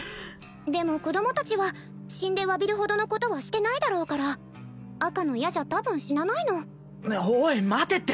でも子供達は死んで詫びるほどのことはしてないだろうから赤の矢じゃ多分死なないのおい待てって！